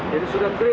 jadi sudah clear